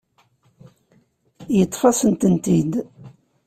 Yeṭṭef-as-tent-id.